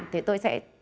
thì tôi sẽ làm